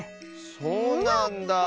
そうなんだあ。